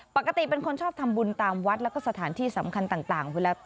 ปกติเป็นคนชอบทำบุญตามวัตต์และก็สถานที่สำคัญต่างเวลาไปทำบุญ